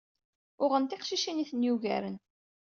Uɣen tiqcicin ay ten-yugaren.